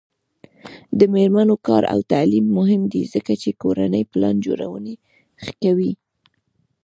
د میرمنو کار او تعلیم مهم دی ځکه چې کورنۍ پلان جوړونې ښه کوي.